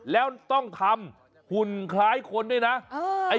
แล้วต้องทำหุ่นคล้ายคนด้วยนะ